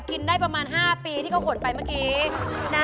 กินได้ประมาณ๕ปีที่เขาขนไปเมื่อกี้